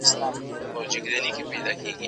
زه اوس زدکړه کوم!؟